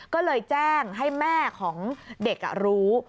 ก็เลยแจ้งให้แม่ของเด็กรู้